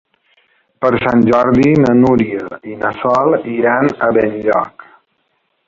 Per Sant Jordi na Núria i na Sol iran a Benlloc.